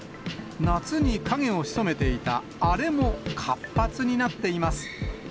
夏に影を潜めていたあれも活発になっています。